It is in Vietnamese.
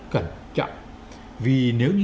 cẩn trọng vì nếu như